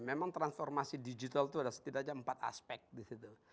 memang transformasi digital itu ada setidaknya empat aspek di situ